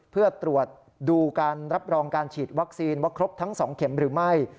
เพื่อตรวจดูการรับรองการฉีดวัคซีนว่าครบทั้ง๒เข็มหรือไม่